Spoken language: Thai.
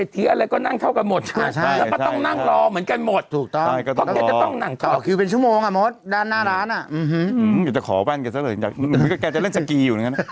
แต่ก็ต้องอย่าไป